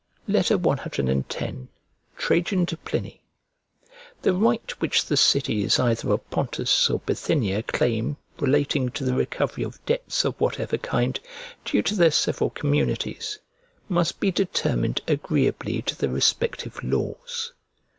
CX TRAJAN TO PLINY THE right which the cities either of Pontus or Bithynia claim relating to the recovery of debts of whatever kind, due to their several communities, must be determined agreeably to their respective laws.